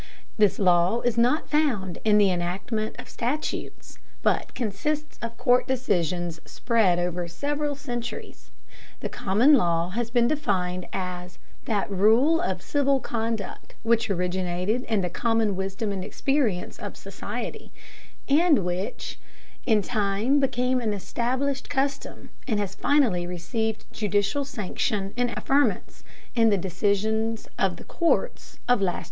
This law is not found in the enactment of statutes, but consists of court decisions spread over several centuries. The common law has been defined as "that rule of civil conduct which originated in the common wisdom and experience of society," and which "in time became an established custom, and has finally received judicial sanction and affirmance in the decisions of the courts of last resort."